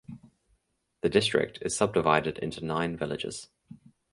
The district is subdivided into nine villages.